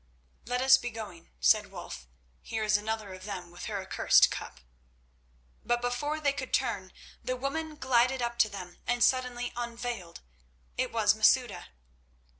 "Let us be going," said Wulf; "here is another of them with her accursed cup." But before they could turn the woman glided up to them and suddenly unveiled. It was Masouda.